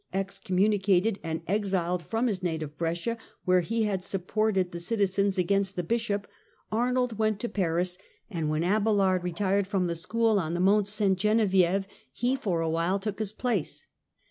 Excommunicated and '^thT^' exiled from his native Brescia, where he had supported ^earer^of the citizens against the bishop, Arnold went to Paris, and Abelard" when Abelard retired from the school on the Mont Ste Genevieve, he for a while took his place.